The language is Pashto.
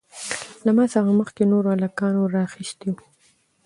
له ما څخه مخکې نورو هلکانو رااېستى وو.